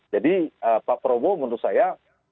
jadi pak probo menurut saya